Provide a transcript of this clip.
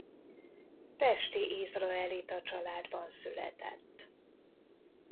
Pesti izraelita családban született.